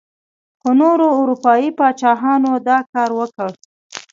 خو نورو اروپايي پاچاهانو دا کار وکړ.